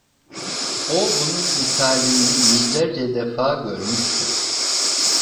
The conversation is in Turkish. O bunun misalini yüzlerce defa görmüştü.